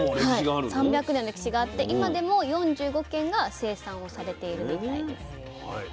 はい３００年の歴史があって今でも４５軒が生産をされているみたいです。